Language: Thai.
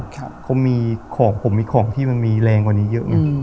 เขามีของผมมีของที่มันมีแรงกว่านี้เยอะไง